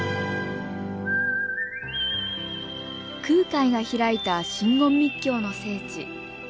空海が開いた真言密教の聖地